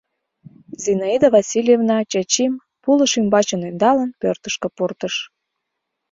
— Зинаида Васильевна Чачим, пулыш ӱмбачын ӧндалын, пӧртышкӧ пуртыш.